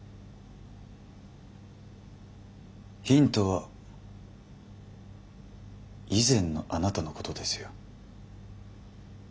ヒントは以前のあなたのことですよ。